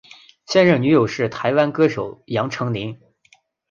现任女友是台湾歌手杨丞琳。